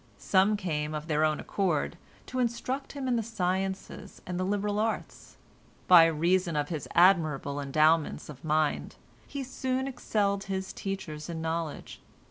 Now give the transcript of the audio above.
Some came of their own accord, to instruct him in the sciences and the liberal arts. By reason of his admirable endowments of mind, he soon excelled his teachers in knowledge.